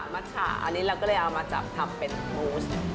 มะขาอันนี้เราก็เลยเอามาจับทำเป็นมูส